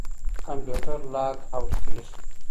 کمپيوټر لاګ آوټ کېږي.